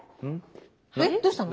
えっどうしたの？